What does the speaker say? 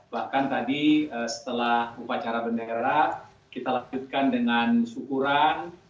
bahkan tadi setelah upacara bendera kita lanjutkan dengan syukuran